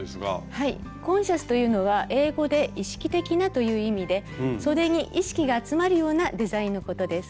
はい「コンシャス」というのは英語で「意識的な」という意味でそでに意識が集まるようなデザインのことです。